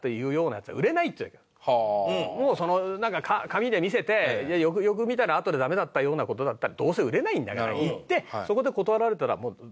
もうその紙で見せてよくよく見たらあとでダメだったような事だったらどうせ売れないんだから行ってそこで断られたらもうダメよと。